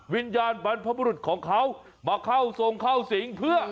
วิญญาณบรรพบุรุษของเขามาเข้าทรงเข้าสิงเพื่อ